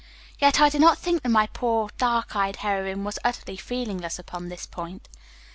Yet I do not think that my poor, dark eyed heroine was utterly feelingless upon this point.